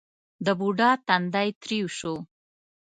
د بوډا تندی ترېو شو: